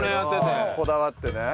こだわってね。